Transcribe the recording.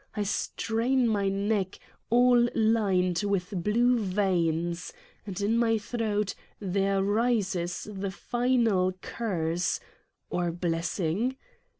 I strain my neck, all lined with blue veins, and in my throat there rises the final curse or blessing?